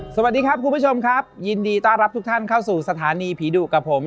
สวัสดีครับคุณผู้ชมครับยินดีต้อนรับทุกท่านเข้าสู่สถานีผีดุกับผม